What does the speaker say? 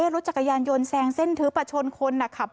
รถจักรยานโยนแซงเส้นถือประชนคนนะครับ